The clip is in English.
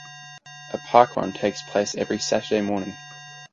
A Parkrun takes place every Saturday morning.